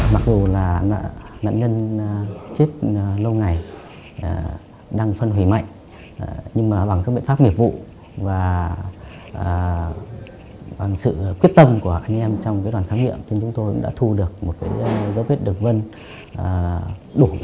mặc dù là nạn nhân chết lâu ngày đang phân hủy mạnh nhưng mà bằng các biện pháp miệp vụ và bằng sự quyết tâm của anh em trong đoàn khám nghiệm thì chúng tôi đã thu được một dấu vết được vân đủ yếu tố để giám định đó là ngón cái trái